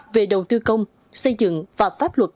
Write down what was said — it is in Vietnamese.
về đầu tư công xây dựng và pháp luật